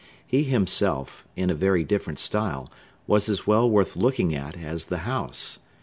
He himself, in a very different style, was as well worth looking at as the house.